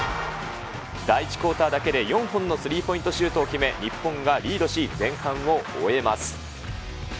第１クオーターだけで、４本のスリーポイントシュートを決め、日本がリードし、前半を終えます。